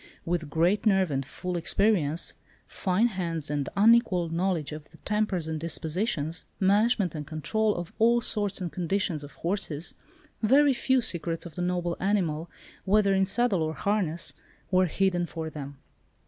With great nerve and full experience, fine hands, an unequalled knowledge of the tempers and dispositions, management and control, of all sorts and conditions of horses, very few secrets of the noble animal, whether in saddle or harness, were hidden from them.